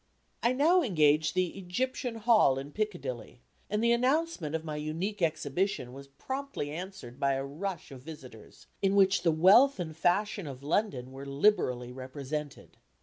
I now engaged the "Egyptian Hall," in Piccadilly, and the announcement of my unique exhibition was promptly answered by a rush of visitors, in which the wealth and fashion of London were liberally represented.